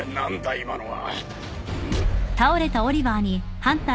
今のは。